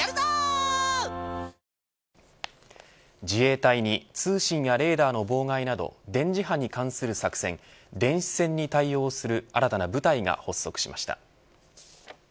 自衛隊に通信やレーダーの妨害など電磁波に関する作戦電子戦に対応する新たな部隊が発足しました。